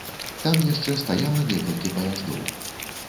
Там яшчэ стаяла некалькі паяздоў.